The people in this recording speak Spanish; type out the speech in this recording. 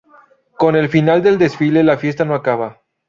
Con el final del desfile la fiesta no acaba.